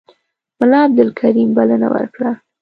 ملا عبدالکریم بلنه ورکړه.